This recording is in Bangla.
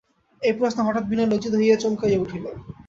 এই প্রশ্নে হঠাৎ বিনয় লজ্জিত হইয়া চমকিয়া উঠিল।